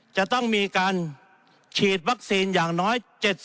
จะต้องมีการฉีดวัคซีนอย่างน้อย